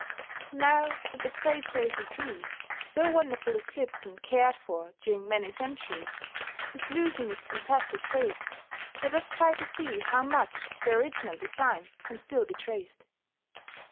Now that the great social tree, so wonderfully clipped and cared for during many centuries, is losing its fantastic shape, let us try to see how much of the original design can still be traced.